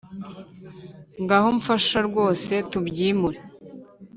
Ngaho mfasha rwose tubyimure